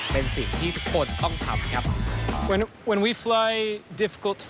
เป็นสิ่งที่ทุกคนต้องทำครับ